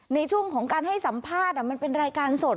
ในช่วงของการให้สัมภาษณ์มันเป็นรายการสด